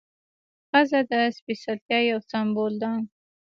ښځه د سپېڅلتیا یو سمبول ده.